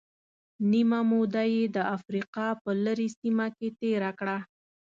نیمه موده یې د افریقا په لرې سیمه کې تېره کړه.